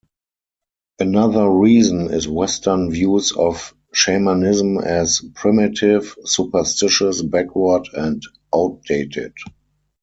Another reason is western views of shamanism as 'primitive', 'superstitious', backward and outdated.